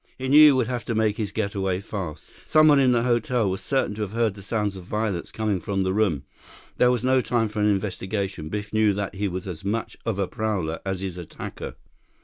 He knew he would have to make his getaway fast. Someone in the hotel was certain to have heard the sounds of violence coming from the room. This was no time for an investigation. Biff knew that he was as much of a prowler as his attacker.